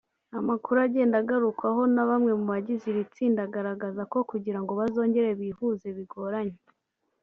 Amakuru agenda agarukwaho na bamwe mu bagize iri tsinda agaragaza ko kugirango bazongere bihuze bigoranye